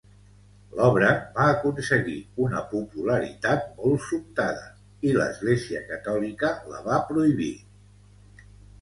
L'obra va aconseguir una popularitat molt sobtada i l'Església catòlica la va prohibir.